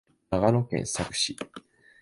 長野県佐久市